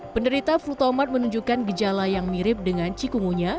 penderita flutomer menunjukkan gejala yang mirip dengan cikungunya